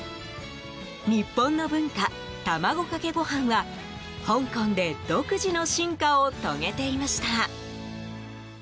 日本の文化、卵かけご飯は香港で独自の進化を遂げていました。